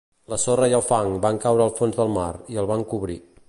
La sorra i el fang van caure al fons del mar i el van cobrir.